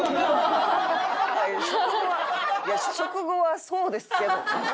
食後はいや食後はそうですけど。